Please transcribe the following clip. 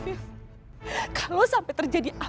sungguh kacau rindu sampai aku ngemang bikin